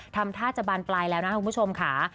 ทำท่าจะบานปลายแล้วนะคุณผู้ชมค่ะ